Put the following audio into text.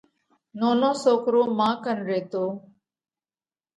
نونو سوڪرو مان ڪنَ ريتو۔